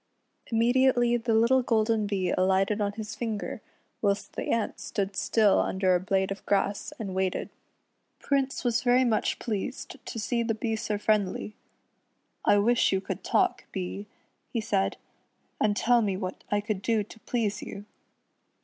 Immediately the little golden Bee alighted on his finger, whilst the ant stood still under a blade of grass, and waited. Prince was very much pleased to see the Bee so friendly. "I wish you could talk, Bee," he said, "and tell me what I could do to please you."